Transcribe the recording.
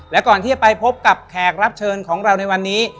และก่อนที่จะไปพบกับแขกรับเชิญของเราในวันนี้